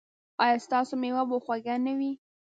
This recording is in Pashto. ایا ستاسو میوه به خوږه نه وي؟